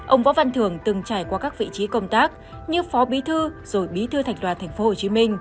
ông võ văn thường từng trải qua các vị trí công tác như phó bí thư rồi bí thư thành đoàn tp hcm